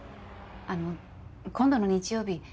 あの今度の日曜日